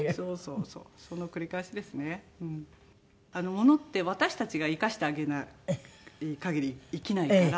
物って私たちが生かしてあげない限り生きないから。